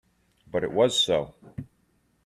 But it was so.